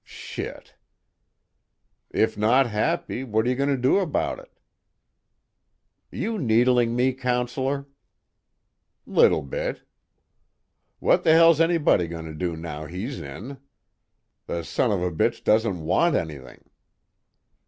"Shit." "If not happy, what are you going to do about it?" "You needling me, Counselor?" "Little bit." "What the hell's anybody going to do, now he's in? The son of a bitch doesn't want anything!"